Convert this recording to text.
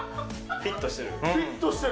フィットしてる。